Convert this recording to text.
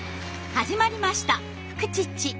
始まりました「フクチッチ」。